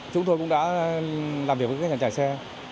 chúng tôi cũng đã làm việc với các nhà trải xe